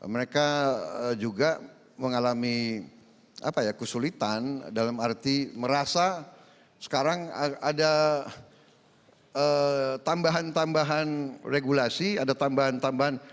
mereka juga mengalami kesulitan dalam arti merasa sekarang ada tambahan tambahan regulasi ada tambahan tambahan